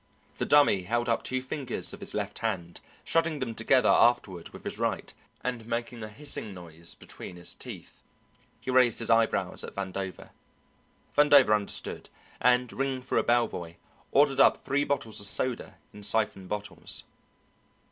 The Dummy held up two fingers of his left hand, shutting them together afterward with his right and making a hissing noise between his teeth. He raised his eyebrows at Vandover. Vandover understood, and, ringing for a bell boy, ordered up three bottles of soda in siphon bottles.